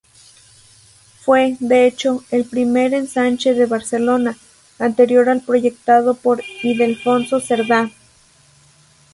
Fue, de hecho, el primer ensanche de Barcelona, anterior al proyectado por Ildefonso Cerdá.